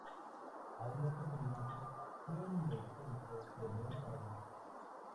Aún más sorprendente fue el descenso del Real Zaragoza.